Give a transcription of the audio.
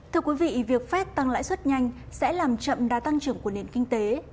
thưa quý vị việc fed tăng lãi suất nhanh sẽ làm chậm đa tăng trưởng của nền kinh tế